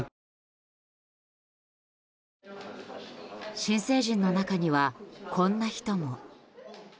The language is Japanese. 新成人の中には、こんな人も。